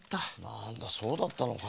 なんだそうだったのか。